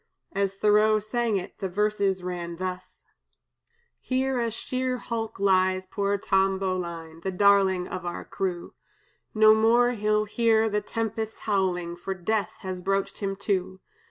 As Thoreau sang it, the verses ran thus: "Here a sheer hulk lies poor Tom Bowline, The darling of our crew; No more he'll hear the tempest howling, For death has broached him to.